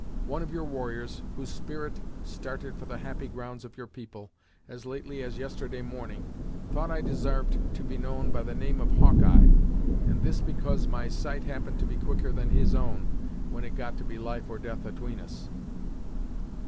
One of your warriors whose spirit started for the Happy Grounds of your people, as lately as yesterday morning, thought I desarved to be known by the name of Hawkeye, and this because my sight happened to be quicker than his own, when it got to be life or death atween us."